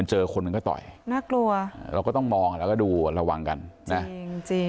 เจอคนมันก็ต่อยน่ากลัวเราก็ต้องมองแล้วก็ดูระวังกันนะจริงจริง